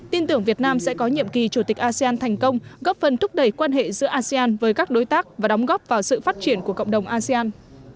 tin tưởng việt nam sẽ có nhiệm kỳ chủ tịch asean thành công góp phần thúc đẩy quan hệ giữa asean với các đối tác và đóng góp vào sự phát triển của cộng đồng asean